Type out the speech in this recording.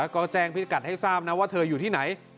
ก็แจ้งพิกัดให้ทราบนะว่าเธออยู่ที่ไหน